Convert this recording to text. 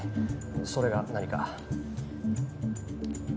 それが何か？